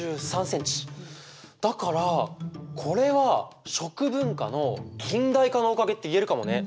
だからこれは食文化の近代化のおかげって言えるかもね！